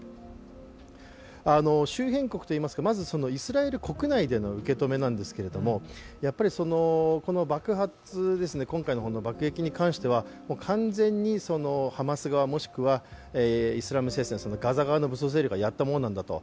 周辺国といいますかイスラエル国内での受け止めですけどやっぱりこの爆発、今回の爆撃に関しては完全にハマス側もしくはイスラム聖戦、ガザ側の武装勢力がやったものなんだと、